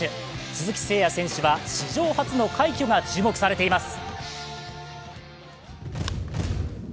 鈴木誠也選手は、史上初の快挙が注目されています。